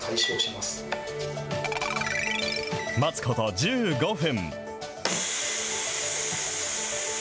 待つこと１５分。